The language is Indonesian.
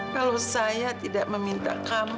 kalau saya tidak meminta kamu